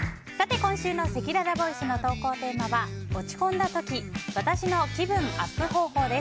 今週のせきららボイスの投稿テーマは落ち込んだ時私の気分アップ方法です。